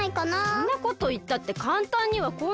そんなこといったってかんたんにはこないよ。